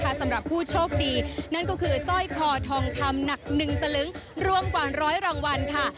สำหรับผู้โชคดีนั่นก็คือสร้อยคอทองคำหนัก๑สลึงรวมกว่าร้อยรางวัลค่ะ